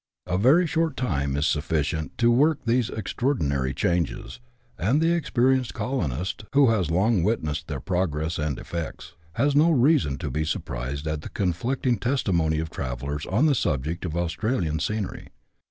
A very short time is sufficient to work these extraordinary changes, and the experienced colonist, who has long witnessed their progress and effects, has no reason to be surprised at the conflicting testi mony of travellers on the subject of Australian scenery.